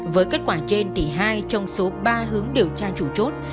với kết quả trên thì hai trong số ba hướng điều tra chủ chốt